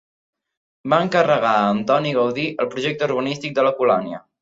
Va encarregar a Antoni Gaudí el projecte urbanístic de la colònia.